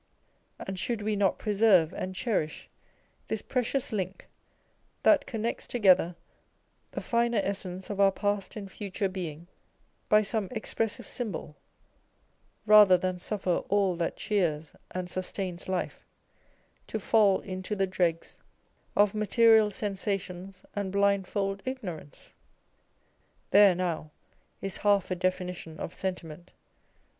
And should we not preserve and â€¢cherish this precious link that connects together the finer essence of our past and future being by some expressive symbol, rather than suffer all that cheers and sustains life to fall into the dregs of material sensations and blindfold ignorance ? There, now, is half a definition of Sentiment